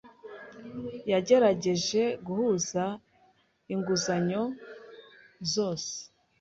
yagerageje guhuza inguzanyo zose.